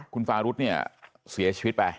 คุณฟารุธเนี่ยเสียชีวิตไป